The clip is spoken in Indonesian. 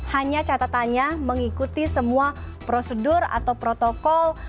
tapi hanya catatannya mengikuti semua prosedur atau protokol yang dilaksanakan